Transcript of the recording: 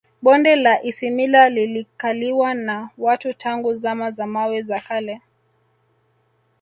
Bonde la Isimila lilikaliwa na watu tangu Zama za Mawe za Kale